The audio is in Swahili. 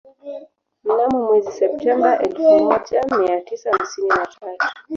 Mnamo mwezi Septemba elfu moja mia tisa hamsini na tatu